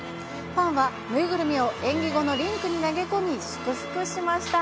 ファンは縫いぐるみを演技後のリンクに投げ込み、祝福しました。